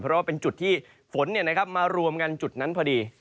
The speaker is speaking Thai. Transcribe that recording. เพราะว่าเป็นจุดที่ฝนมารวมกันจุดนั้นพอดี